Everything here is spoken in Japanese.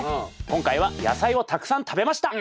今回は野菜をたくさん食べました。